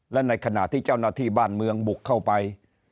และในขณะที่เจ้าหน้าที่บ้านเมืองบุกเข้าไป